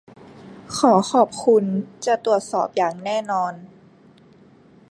ขอขอบคุณ. จะตรวจสอบอย่างแน่นอน